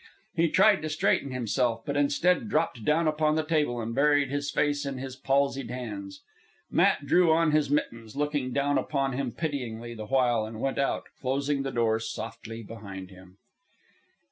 He tried to straighten himself, but instead dropped down upon the table and buried his face in his palsied hands. Matt drew on his mittens, looking down upon him pityingly the while, and went out, closing the door softly behind him.